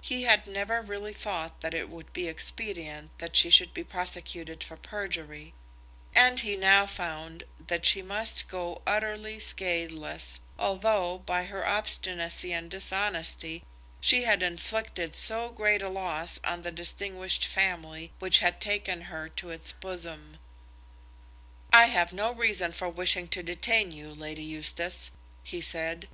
He had never really thought that it would be expedient that she should be prosecuted for perjury, and he now found that she must go utterly scatheless, although, by her obstinacy and dishonesty, she had inflicted so great a loss on the distinguished family which had taken her to its bosom. "I have no reason for wishing to detain you, Lady Eustace," he said.